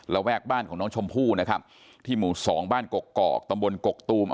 แวกบ้านของน้องชมพู่นะครับที่หมู่สองบ้านกกอกตำบลกกตูม